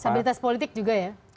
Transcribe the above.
stabilitas politik juga ya